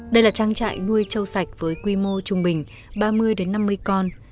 đây là trang trại nuôi trâu sạch với quy mô trung bình ba mươi năm mươi con